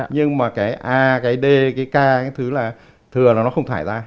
nhưng a d k hoặc thừa sẽ không thải ra